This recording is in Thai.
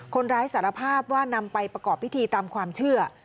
สารภาพว่านำไปประกอบพิธีตามความเชื่อ